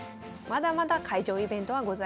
まだまだ会場イベントはございます。